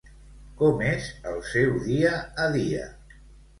Com és el seu dia a dia?